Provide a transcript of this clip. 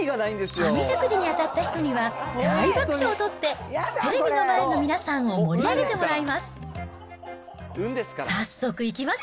あみだくじに当たった人には、大爆笑を取って、テレビの前の皆さんを盛り上げてもらいます。